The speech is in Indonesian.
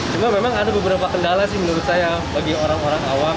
cuma memang ada beberapa kendala sih menurut saya bagi orang orang awam